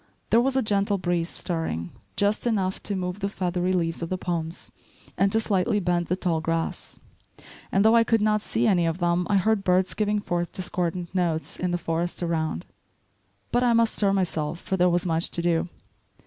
There was a gentle breeze stirring, just enough to move the feathery leaves of the palms and to slightly bend the tall grass; and though I could not see any of them, I heard birds giving forth discordant notes in the forest around. But I must stir myself, for there was much to do.